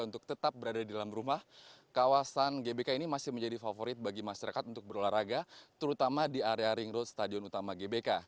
untuk tetap berada di dalam rumah kawasan gbk ini masih menjadi favorit bagi masyarakat untuk berolahraga terutama di area ring road stadion utama gbk